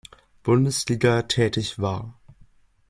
Bundesliga tätig war.